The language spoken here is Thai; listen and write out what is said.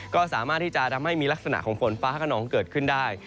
ก็สามารถที่จะทำให้มีลักษณะของฝนฟ้าขนองเกิดขึ้นได้